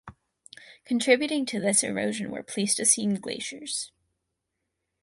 Contributing to this erosion were Pleistocene glaciers.